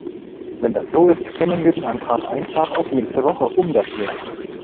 Wenn das so ist, können wir den Antrag einfach auf nächste Woche umdatieren.